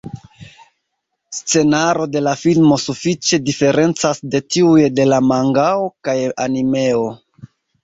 Scenaro de la filmo sufiĉe diferencas de tiuj de la mangao kaj animeo.